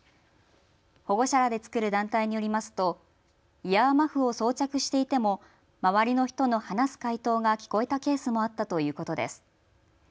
保護者らで作る団体によりますとイヤーマフを装着していても周りの人の話す解答が聞こえたケースもあったということです。